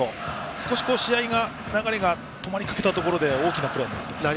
少し試合の流れが止まりかけたところで大きなプレーになっています。